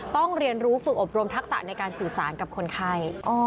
ต้องเรียนรู้ฝึกอบรมทักษะในการสื่อสารกับคนไข้